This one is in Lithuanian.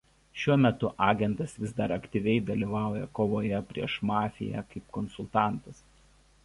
Šiuo metu agentas vis dar aktyviai dalyvauja kovoje prieš mafiją kaip konsultantas.